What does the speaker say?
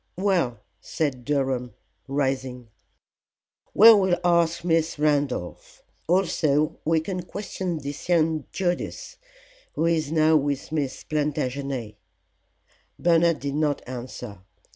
"Well," said Durham, rising, "we will ask Miss Randolph. Also we can question this young Judas, who is now with Miss Plantagenet." Bernard did not answer.